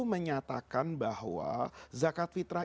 menyatakan bahwa zakat fitrah